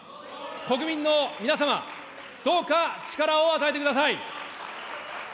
国民の皆様、どうか力を与えてください。